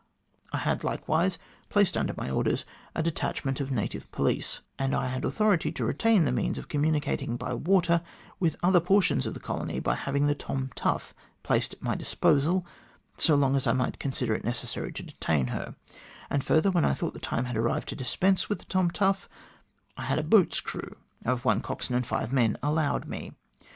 I had likewise placed under my orders a detachment of native police, and I had authority to retain the means of communicating by water with other portions of the colony by having the Tom Tough placed at my disposal, so long as I might consider it necessary to detain her j and further, when I thought the time had arrived to dispense with the Tom Tough, I had a boat's crew of one coxswain and five men allowed me.